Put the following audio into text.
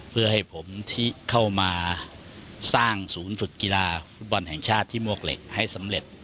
เพื่อให้ผมที่เข้ามาสร้างศูนย์ฝึกกีฬาฟุตบอลแห่งชาติที่มวกเหล็กให้สำเร็จ